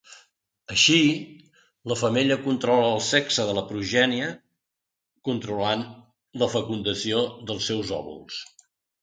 Així, la femella controla el sexe de la progènie controlant la fecundació dels seus òvuls.